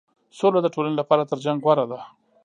سوله د ټولنې لپاره تر جنګ غوره ده.